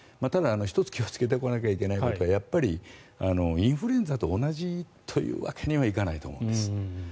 ただ１つ気をつけておかないといけないことはやっぱりインフルエンザと同じというわけにはいかないと思うんです。